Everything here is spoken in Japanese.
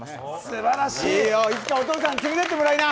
すばらしい、いつかお父さんに連れていってもらいな。